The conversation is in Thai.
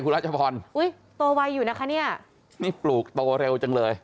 ราชพรอุ้ยโตไวอยู่นะคะเนี่ยนี่ปลูกโตเร็วจังเลย